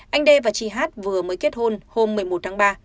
anh đê và chị hát vừa mới kết hôn hôm một mươi một tháng ba